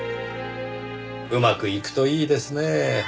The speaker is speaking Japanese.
うまくいくといいですねぇ。